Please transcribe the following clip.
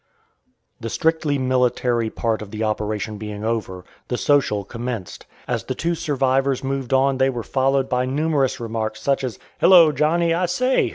The strictly military part of the operation being over, the social commenced. As the two "survivors" moved on they were followed by numerous remarks, such as "Hello! Johnny, I say!